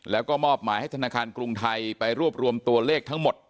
แล้วก็มอบหมายให้ธนาคารกรุงไทยไปรวบรวมตัวเลขทั้งหมด